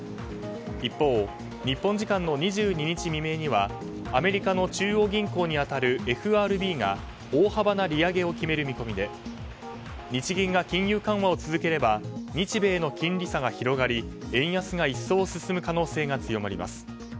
一方、日本時間の２２日未明にはアメリカの中央銀行に当たるＦＲＢが大幅な利上げを決める見込みで日銀が金融緩和を続ければ日米の金利差が広がり円安が一層進む可能性が強まります。